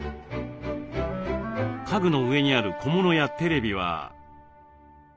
家具の上にある小物やテレビは。